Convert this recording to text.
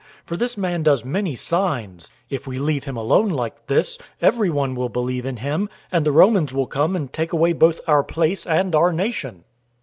For this man does many signs. 011:048 If we leave him alone like this, everyone will believe in him, and the Romans will come and take away both our place and our nation."